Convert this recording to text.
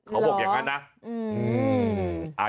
เขาบอกอย่างนั้นนะ